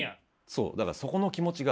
そうだからそこの気持ちが。